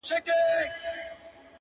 د آذر بت مات سو چي کله آبراهيم راغی!